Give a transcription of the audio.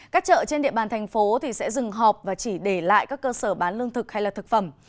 các chợ trên địa bàn thành phố sẽ dừng họp và chỉ để lại các cơ sở bán lương thực hay thực phẩm